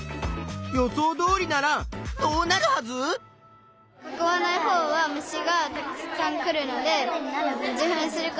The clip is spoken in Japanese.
予想どおりならどうなるはず？と思います。